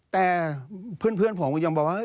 แต่เพื่อนผมก็ยังบอกว่า